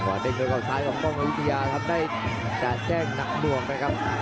หัวเด็กด้วยเข้าซ้ายของกองยุยาทำได้จัดแจ้งหนักหน่วงเลยครับ